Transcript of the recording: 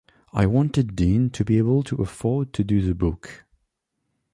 I wanted Dean to be able to afford to do the book.